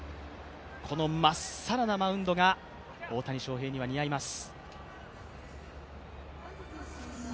このまっさらなマウンドが大谷翔平には似合います。